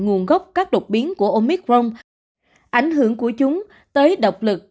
nguồn gốc các đột biến của omicron ảnh hưởng của chúng tới độc lực